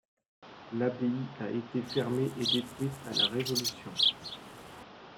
L'abbaye a été fermée et détruite à la Révolution.